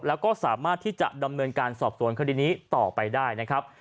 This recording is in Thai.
แล้วก็สามารถที่จะดำเนินการสอบสวนคดีนี้ต่อไปได้นะครับ